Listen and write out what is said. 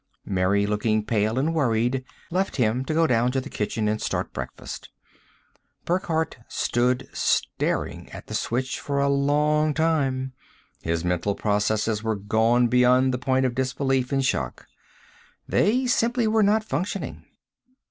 Mary, looking pale and worried, left him to go down to the kitchen and start breakfast. Burckhardt stood staring at the switch for a long time. His mental processes were gone beyond the point of disbelief and shock; they simply were not functioning.